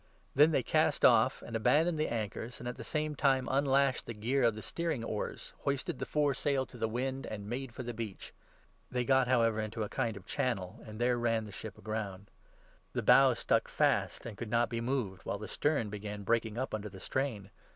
Then they cast off, and abandoned the 40 anchors, and at the same time unlashed the gear of the steer ing oars, hoisted the foresail to the wind, and made fcr the beach. They got, however, into a kind of channel, and 41 there ran the ship aground. The bows stuck fast and could not be moved, while the stern began breaking up under the strain.